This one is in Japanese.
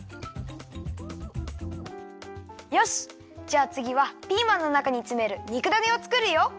じゃあつぎはピーマンのなかにつめる肉だねをつくるよ！